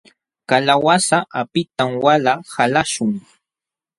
Kalawasa apitam wala qalaśhun.